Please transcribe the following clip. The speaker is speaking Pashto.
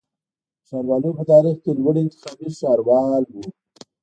د ښاروالیو په تاریخ کي لوړی انتخابي ښاروال و